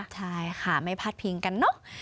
ใช่ค่ะไม่พาดพิงกันเนอะ